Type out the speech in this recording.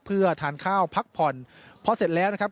เพื่อทานข้าวพักผ่อนพอเสร็จแล้วนะครับ